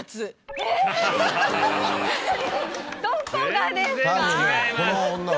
えっ⁉どこがですか？